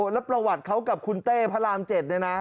แล้วประวัติเขากับคุณเต้พระราม๗เนี่ยนะ